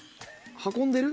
運んでる？